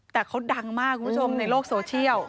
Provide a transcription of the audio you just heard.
แต่เขาดังมากคุณผู้ชมในโลกโซเชียล